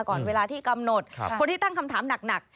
ก่อนเวลาที่กำหนดคนที่ตั้งคำถามหนัก